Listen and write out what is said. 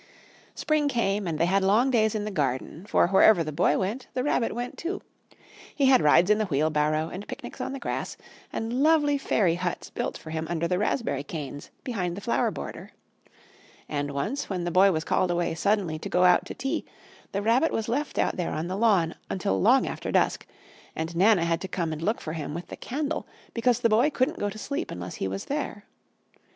Spring came, and they had long days in the garden, for wherever the Boy went the Rabbit went too. He had rides in the wheelbarrow, and picnics on the grass, and lovely fairy huts built for him under the raspberry canes behind the flower border. And once, when the Boy was called away suddenly to go out to tea, the Rabbit was left out on the lawn until long after dusk, and Nana had to come and look for him with the candle because the Boy couldn't go to sleep unless he was there.